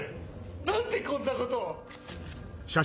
何でこんなことを。